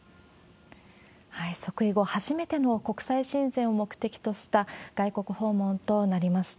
即位後初めての国際親善を目的とした外国訪問となりました。